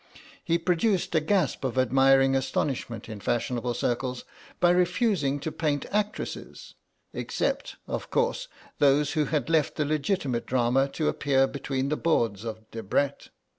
He produced a gasp of admiring astonishment in fashionable circles by refusing to paint actresses—except, of course, those who had left the legitimate drama to appear between the boards of Debrett.